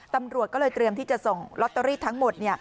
ตำรวจก็เลยเตรียมที่จะส่งลอตเตอรี่ทั้งหมด